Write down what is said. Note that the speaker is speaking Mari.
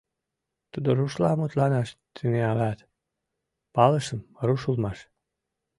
Тудо рушла мутланаш тӱҥалят, палышым — руш улмаш.